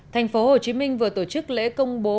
thành phố hồ chí minh vừa tổ chức lễ công bố